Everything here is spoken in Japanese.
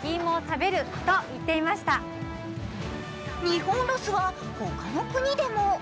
日本ロスは他の国でも。